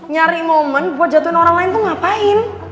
nyari momen buat jatuhin orang lain tuh ngapain